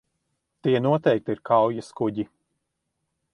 Tie noteikti ir kaujaskuģi.